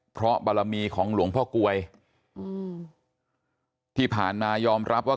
เพราะบารมีของหลวงพ่อกลวยอืมที่ผ่านมายอมรับว่า